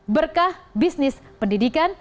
berkah bisnis pendidikan